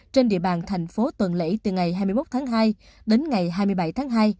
trên địa bàn thành phố tuần lễ từ ngày hai mươi một tháng hai đến ngày hai mươi bảy tháng hai